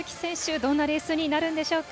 どんなレースになるんでしょうか。